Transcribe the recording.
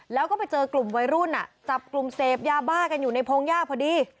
แล้วก็ไปเจอกลุ่มวัยรุ่นจับกลุ่มเสพยาบ้ากันอยู่ในพงหญ้าพอดี